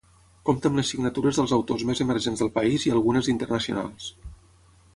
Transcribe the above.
Compta amb les signatures dels autors més emergents del país i algunes d’internacionals.